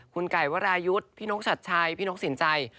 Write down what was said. คุณไก่วรายุทธ์พี่นกชัดชัยพี่นกสินใจ